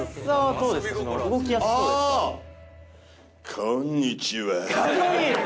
こんにちは。